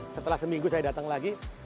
setelah seminggu saya datang lagi